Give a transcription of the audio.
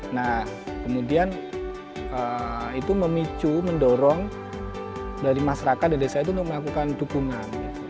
nah kemudian itu memicu mendorong dari masyarakat dari desa itu untuk melakukan dukungan